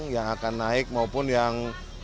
yang akan naik maupun yang